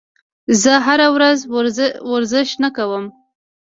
زه هره ورځ ورزش نه کوم.